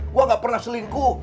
gue gak pernah selingkuh